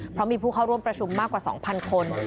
เพราะมีผู้เข้าร่วมประชุมมากกว่า๒๐๐คน